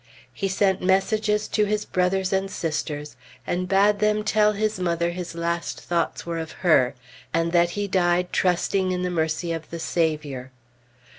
He sent messages to his brothers and sisters, and bade them tell his mother his last thoughts were of her, and that he died trusting in the mercy of the Saviour.